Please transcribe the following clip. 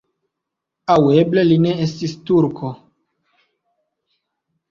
Aŭ eble li ne estis turko.